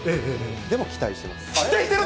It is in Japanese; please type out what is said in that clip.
でも期待しています。